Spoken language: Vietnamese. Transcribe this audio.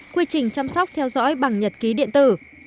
quy trình chăm sóc theo dõi bằng nhật ký điện tử